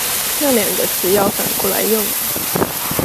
那兩個詞要反過來用了